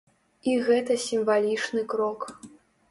І гэта сімвалічны крок.